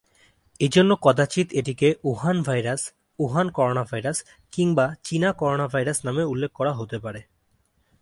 এজন্য কদাচিৎ এটিকে "উহান ভাইরাস", "উহান করোনাভাইরাস" কিংবা "চীনা করোনাভাইরাস" নামেও উল্লেখ করা হতে পারে।